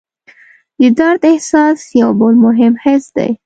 د درد احساس یو بل مهم حس دی.